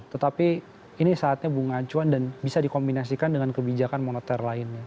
tetapi ini saatnya bunga acuan dan bisa dikombinasikan dengan kebijakan moneter lainnya